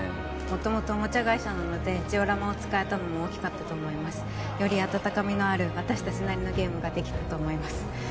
元々おもちゃ会社なのでジオラマを使えたのも大きかったと思いますより温かみのある私達なりのゲームができたと思います